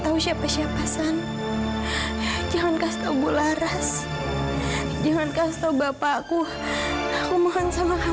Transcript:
aduh siapa sih udah bikin file file itu ilang semua